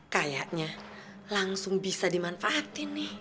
kayaknya langsung bisa dimanfaatin nih